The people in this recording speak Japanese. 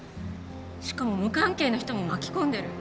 しかも無関係な人も巻き込んでる